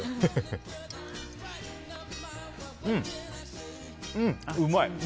うん、うまい！